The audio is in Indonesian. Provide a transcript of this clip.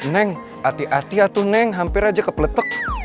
neng hati hati atau neng hampir aja kepletek